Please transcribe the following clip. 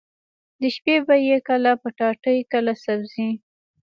د شپې به يې کله پټاټې کله سبزي.